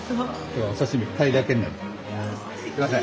今日はお刺身鯛だけになります。